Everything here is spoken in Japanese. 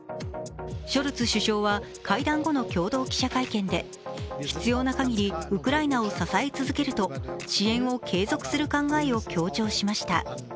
ショルツ首相は会談後の共同記者会見で必要なかぎり、ウクライナを支え続けると、支援を継続する考えを強調しました。